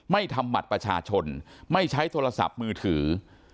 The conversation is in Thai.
ทำบัตรประชาชนไม่ใช้โทรศัพท์มือถือ